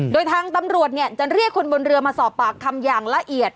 โดยทางตำรวจจะเรียกคนบนเรือมาสอบปากคำอย่างละเอียด